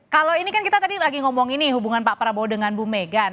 kalau ini kan kita tadi lagi ngomong ini hubungan pak prabowo dengan bu mega